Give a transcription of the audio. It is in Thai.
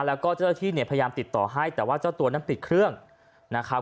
แล้วก็เจ้าหน้าที่เนี่ยพยายามติดต่อให้แต่ว่าเจ้าตัวนั้นปิดเครื่องนะครับ